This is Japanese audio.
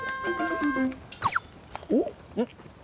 おっ！